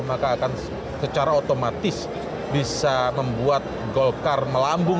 maka akan secara otomatis bisa membuat golkar melambung